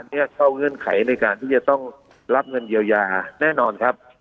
เนี่ยเข้าเงื่อนไขในการที่จะต้องรับเงินเยียวยาแน่นอนครับ